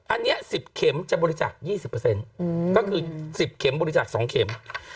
อันนี้๑๐เข็มจะบริจาค๒๐ก็คือ๑๐เข็มบริจาค๒เข็ม